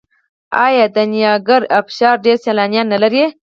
آیا د نیاګرا ابشار ډیر سیلانیان نلري؟